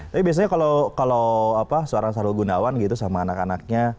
tapi biasanya kalau seorang sarul gunawan gitu sama anak anaknya